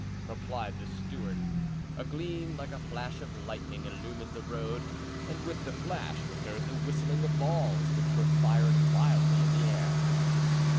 replied the steward. A gleam, like a flash of lightning, illumined the road, and with the flash was heard the whistling of balls, which were fired wildly in the air.